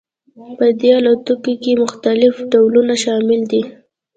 په دې الوتکو کې مختلف ډولونه شامل دي